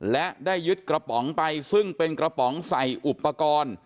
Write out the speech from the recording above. และได้ยึดกระป๋องไปซึ่งเป็นกระป๋องใส่อุปกรณ์